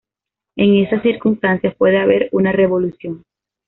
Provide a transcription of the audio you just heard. En esas circunstancias, puede haber una revolución.